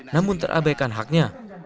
namun terabaikan haknya